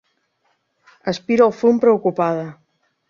Aspira el fum preocupada.